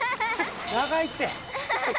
長いって。